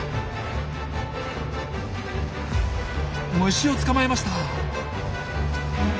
虫を捕まえました。